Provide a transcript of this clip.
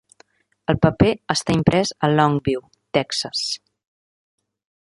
El paper està imprès a Longview, Texas.